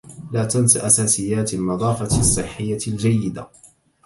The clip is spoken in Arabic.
لا تنسَ أساسيات النظافة الصحية الجيدة